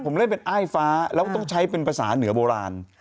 ผมเล่นเป็นอ้ายฟ้าแล้วก็ต้องใช้เป็นภาษาเหนือโบราณ